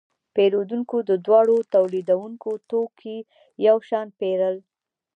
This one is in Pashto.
پیرودونکو د دواړو تولیدونکو توکي یو شان پیرل.